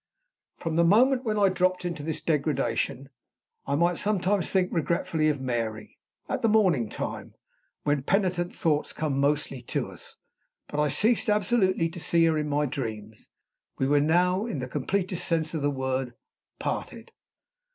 From the moment when I dropped into this degradation, I might sometimes think regretfully of Mary at the morning time, when penitent thoughts mostly come to us; but I ceased absolutely to see her in my dreams. We were now, in the completest sense of the word, parted.